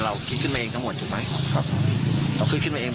เรากินขึ้นมาเองกันหมดถูกไหม